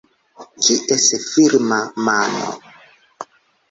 Kies firma mano?